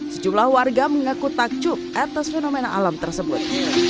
sejumlah warga mengaku takjub atas fenomena alam tersebut